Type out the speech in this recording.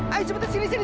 ayo sebentar sini